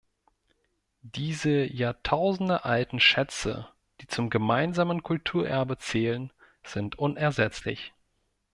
Diese jahrtausendealten Schätze, die zum gemeinsamen Kulturerbe zählen, sind unersetzlich.